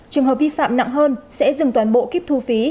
trường hợp vi phạm nặng hơn sẽ dừng toàn bộ kit thu phí